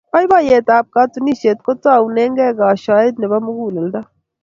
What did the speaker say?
boiboiyet ab katunisiet ko taunegei koashoet Nebo muguleldo